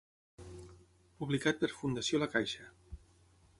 Publicat per Fundació La Caixa.